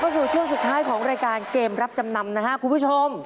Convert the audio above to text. สู่ช่วงสุดท้ายของรายการเกมรับจำนำนะครับคุณผู้ชม